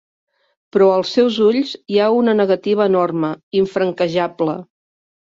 Però als seus ulls hi ha una negativa enorme, infranquejable.